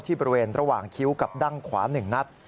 บริเวณระหว่างคิ้วกับดั้งขวา๑นัด